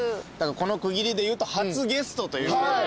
この区切りでいうと初ゲストということになりますんで。